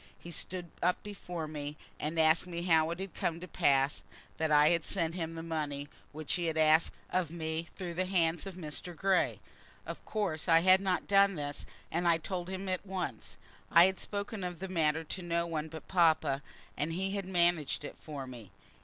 He stood up before me, and asked me how it had come to pass that I had sent him the money which he had asked of me through the hands of Mr. Grey. Of course I had not done this, and so I told him at once. I had spoken of the matter to no one but papa, and he had managed it for me.